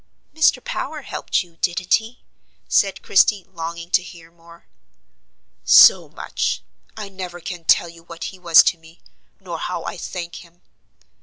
"Mr. Power helped you: didn't he?" said Christie, longing to hear more. "So much! I never can tell you what he was to me, nor how I thank him.